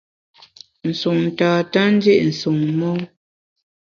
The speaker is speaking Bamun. Nsun tata ndi’ nsun mon.